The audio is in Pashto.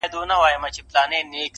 انسان په هويت کي نه تولد کېږي